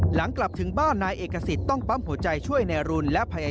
หลังกลับถึงบ้านนายเอกสิทธิ์ต้องปั๊มหัวใจช่วยนายรุนและพยายาม